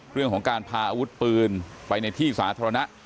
เรื่องของการพาอาวุธปืนไปในที่สาธารณะ